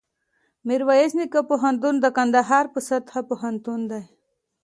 میرویس نیکه پوهنتون دکندهار په سطحه پوهنتون دی